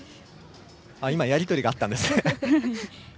今やり取りがあったんですね。